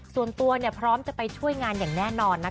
ส่วนตัวพร้อมจะไปช่วยงานอย่างแน่นอนนะคะ